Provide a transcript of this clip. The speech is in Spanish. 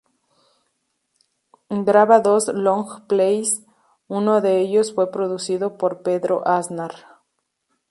Graba dos long plays, uno de ellos fue producido por Pedro Aznar.